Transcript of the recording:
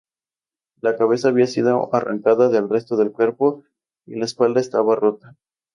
La cabeza había sido arrancada del resto del cuerpo, y la espalda estaba rota.